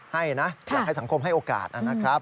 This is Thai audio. ให้นะอยากให้สังคมให้โอกาสนะครับ